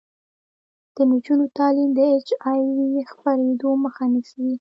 د نجونو تعلیم د اچ آی وي خپریدو مخه نیسي.